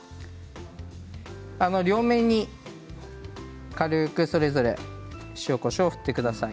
両面に軽くそれぞれ塩、こしょうを振ってください。